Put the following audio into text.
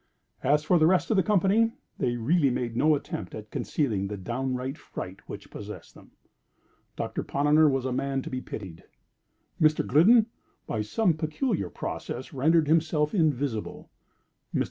As for the rest of the company, they really made no attempt at concealing the downright fright which possessed them. Doctor Ponnonner was a man to be pitied. Mr. Gliddon, by some peculiar process, rendered himself invisible. Mr.